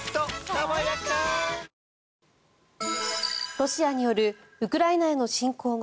ロシアによるウクライナへの侵攻後